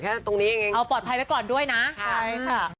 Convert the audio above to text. ก็เพราะว่าเราได้เข้าฉากด้วยกันตลอด